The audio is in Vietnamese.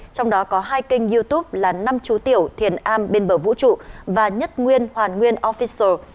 trong đó có hai kênh youtube là năm chú tiểu thiền a bên bờ vũ trụ và nhất nguyên hoàn nguyên offisial